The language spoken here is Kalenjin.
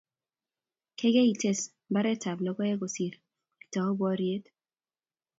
keikei ites mbaretab lokoek kosir itou boriet